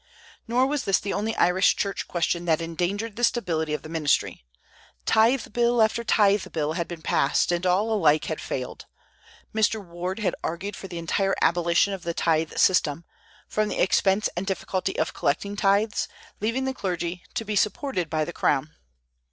Nor was this the only Irish Church question that endangered the stability of the ministry. Tithe bill after tithe bill had been passed, and all alike had failed. Mr. Ward had argued for the entire abolition of the tithe system, from the expense and difficulty of collecting tithes, leaving the clergy to be supported by the crown.